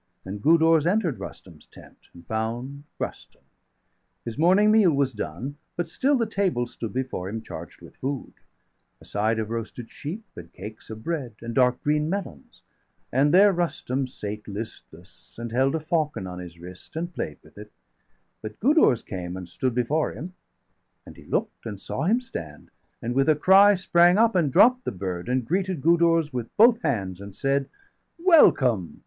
And Gudurz enter'd Rustum's tent, and found 195 Rustum; his morning meal was done, but still The table stood before him, charged with food A side of roasted sheep, and cakes of bread; And dark green melons; and there Rustum sate° °199 Listless, and held a falcon° on his wrist, °200 And play'd with it; but Gudurz came and stood Before him; and he look'd, and saw him stand, And with a cry sprang up and dropp'd the bird, And greeted Gudurz with both hands, and said: "Welcome!